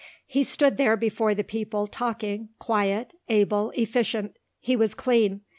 He stood there before the people talking, quiet, able, efficient. He was clean.